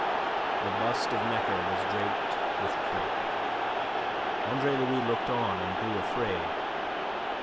The bust of Necker was draped with crepe. Andre Louis looked on, and grew afraid.